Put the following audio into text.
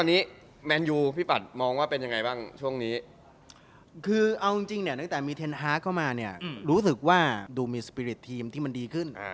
แล้วฟอร์มการเล่นตอนนี้